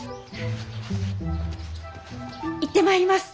行ってまいります。